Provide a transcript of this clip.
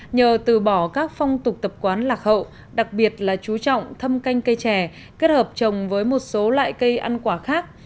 nhờ từ bỏ các phong tục tập quán lạc hậu đặc biệt là chú trọng thâm canh cây trè kết hợp trồng với một số loại cây ăn quả khác